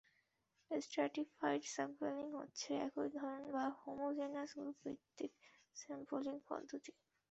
Stratified sampling হচ্ছে একই ধরনের বা হোমোজেনাস গ্রুপ ভিত্তিক স্যাম্পলিংপদ্ধতি।